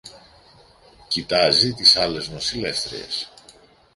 Κοιτάζει τις άλλες νοσηλεύτριες